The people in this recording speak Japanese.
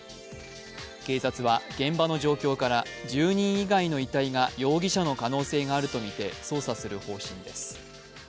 警察は、現場の状況から住人以外の遺体が容疑者の可能性があるとみて捜査する方針です。